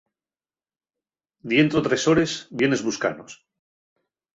Dientro tres hores vienes buscanos.